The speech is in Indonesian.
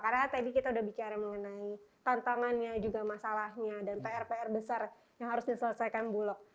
karena tadi kita udah bicara mengenai tantangannya juga masalahnya dan pr pr besar yang harus diselesaikan bulog